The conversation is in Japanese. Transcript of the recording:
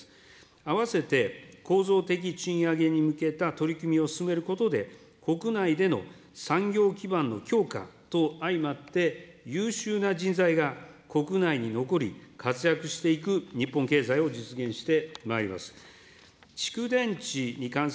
合わせて、構造的賃上げに向けた取り組みを進めることで、国内での産業基盤の強化と相まって、優秀な人材が国内に残り、活躍していく日本経済を実現してまいります。